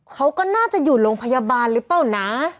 เขาก็น่าจะอยู่โรงพยาบาลหรือเปล่านะ